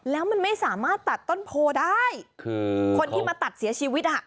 แล้วมันไม่สามารถตัดต้นโพได้คือคนที่มาตัดเสียชีวิตอ่ะ